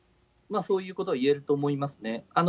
そういうことが言えると思いますね。